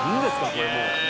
これもう。